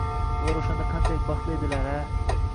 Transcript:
Ular o`shanda qanchalik baxtli edilar-a